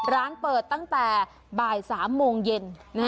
ร้านเปิดตั้งแต่บ่าย๓โมงเย็น